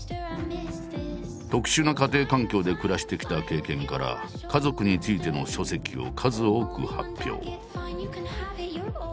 特殊な家庭環境で暮らしてきた経験から家族についての書籍を数多く発表。